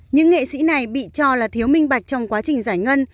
những nghệ sĩ này bị cho là thiếu minh bạch trong quá trình giải ngân